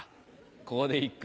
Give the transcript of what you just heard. ここで一句。